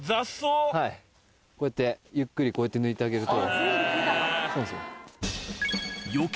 はいゆっくりこうやって抜いてあげると。